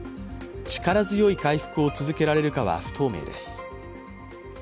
力強い回復を続けられるかは不透明です。